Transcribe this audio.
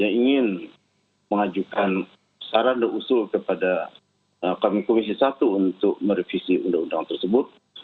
yang ingin mengajukan saran dan usul kepada kami komisi satu untuk merevisi undang undang tersebut